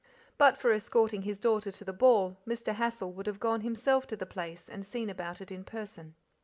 But for escorting his daughter to the ball, Mr. Hassal would have gone himself to the place and seen about it in person.